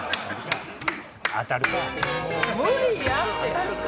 当たるか！